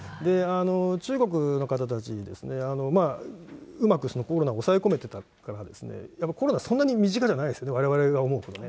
中国の方たち、うまくコロナを抑え込めてたから、コロナそんなに身近じゃないですね、われわれが思うほどね。